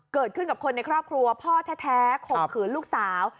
เกิดขึ้นกับคนในครอบครัวพ่อแท้ข่มขืนลูกสาว